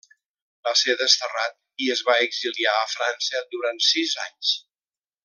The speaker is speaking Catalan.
Va ser desterrat i es va exiliar a França durant sis anys.